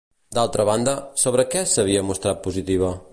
D'altra banda, sobre què s'ha mostrat positiva?